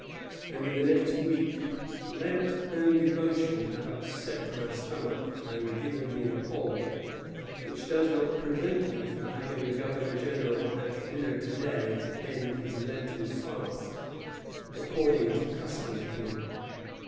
And in the next week: "Lent and devotion have upset my stomach and given me a cold; which does not prevent me from having the Governor General at dinner to day to end his lenten fast, according to custom here."